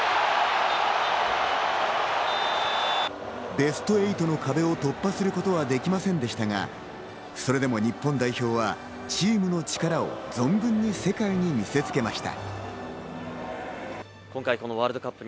ベスト８の壁を突破することはできませんでしたが、それでも日本代表はチームの力を存分に世界に見せつけました。